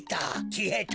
きえた。